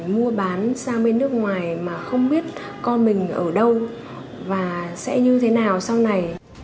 mua bán sang bên nước ngoài mà không biết con mình ở đâu và sẽ như thế nào sau này